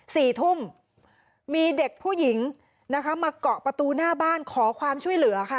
สี่ทุ่มมีเด็กผู้หญิงนะคะมาเกาะประตูหน้าบ้านขอความช่วยเหลือค่ะ